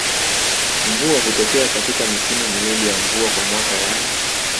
Mvua hutokea katika misimu miwili ya mvua kwa mwaka yani